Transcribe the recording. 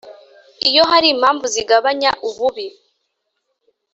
Iyo hari impamvu zigabanya ububi